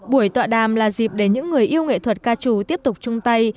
buổi tọa đàm là dịp để những người yêu nghệ thuật ca trù tiếp tục chung tay